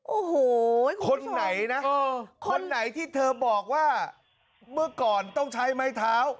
โอ้โหคนไหนนะคนไหนที่เธอบอกว่าเมื่อก่อนต้องใช้ไม้เท้า